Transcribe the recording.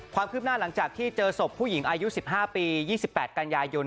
ความคืบหน้าหลังจากที่เจอศพผู้หญิงอายุสิบห้าปียี่สิบแปดกัญญายน